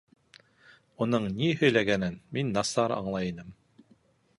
Уның ни һөйләгәнен мин насар аңлай инем.